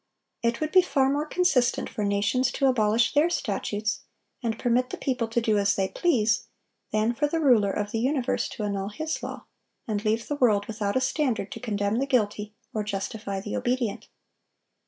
It would be far more consistent for nations to abolish their statutes, and permit the people to do as they please, than for the Ruler of the universe to annul His law, and leave the world without a standard to condemn the guilty or justify the obedient.